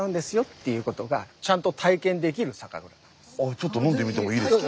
ちょっと飲んでみてもいいですか？